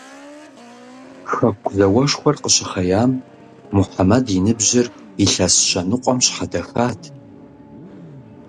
Хэку зауэшхуэр къыщыхъеям, Мухьэмэд и ныбжьыр илъэс щэ ныкъуэм щхьэдэхат.